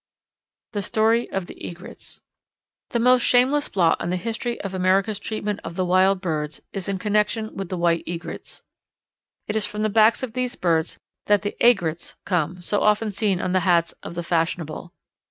The Story of the Egrets. The most shameless blot on the history of America's treatment of the wild birds is in connection with the White Egrets. It is from the backs of these birds that the "aigrettes" come, so often seen on the hats of the fashionable.